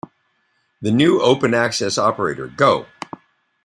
The new open-access operator Go!